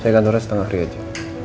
saya kantornya setengah hari aja